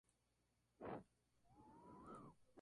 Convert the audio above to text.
El principio de funcionamiento es simple.